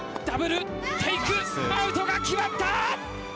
ダブルテイクアウトが決まった！